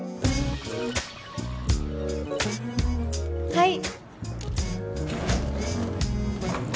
はい！